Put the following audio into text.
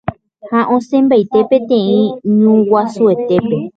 ha asẽmbaite peteĩ ñuguasuetépe